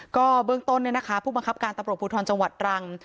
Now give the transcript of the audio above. ก็เบื้องต้นผู้บังคับการตำรวจภูทรจังหวัดตรัง